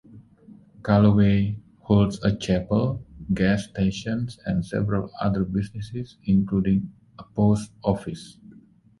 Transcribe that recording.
Callaway holds a chapel, gas stations, and several other businesses, including a post office.